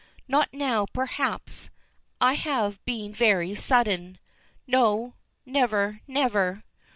"Not now, perhaps. I have been very sudden " "No, never, never."